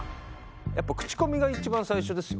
やっぱ口コミが一番最初ですよ。